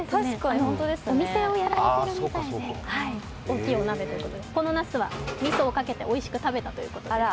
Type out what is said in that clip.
お店をやられているみたいで、大きいお鍋ということで、このなすは、みそをかけておいしく食べたということです。